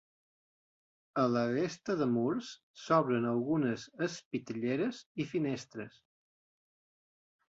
A la resta de murs s'obren algunes espitlleres i finestres.